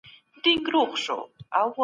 خلاقیت د نوي پوښتنو مطرح کولو سبب کېږي.